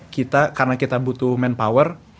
kita karena kita butuh manpower